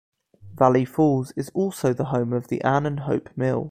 Valley Falls is also the home of the Ann and Hope Mill.